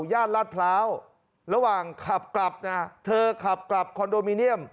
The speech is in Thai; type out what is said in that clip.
ย่านลาดพร้าวระหว่างขับกลับนะเธอขับกลับคอนโดมิเนียม